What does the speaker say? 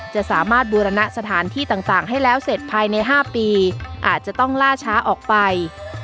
จะสามารถบูรณะสถานที่ต่างให้แล้วเสร็จภายใน๕ปีอาจจะต้องล่าช้าออกไป